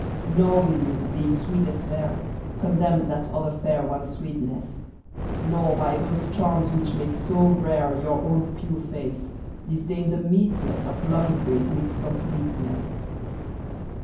Nor will you, being sweet as fair, Condemn that other fair one's sweetness ; Nor by those charms which make so rare Your own pure face, disdain the meetness Of loving grace in its completeness.